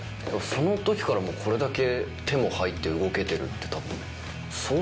その時からもうこれだけ手も入って動けてるって多分。